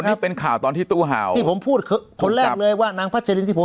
นี่เป็นข่าวตอนที่ตู้เห่าที่ผมพูดคนแรกเลยว่านางพัชรินที่ผม